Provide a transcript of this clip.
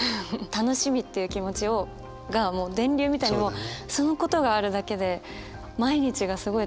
楽しみっていう気持ちがもう電流みたいにそのことがあるだけで毎日がすごい楽しくて。